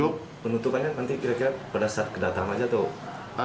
penutupannya nanti kira kira pada saat kedatangan saja tuh